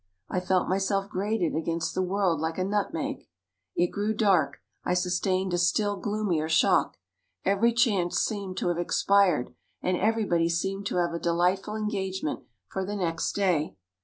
I felt myself grated against the world like a nutmeg. It grew dark I sustained a still gloomier shock. Every chance seemed to have expired, and everybody seemed to have a delightful engagement for the next day.